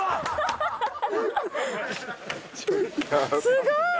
すごい。